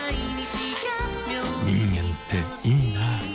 人間っていいナ。